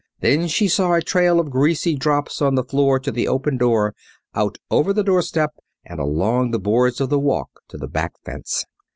Then she saw a trail of greasy drops on the floor to the open door, out over the doorstep, and along the boards of the walk to the back fence.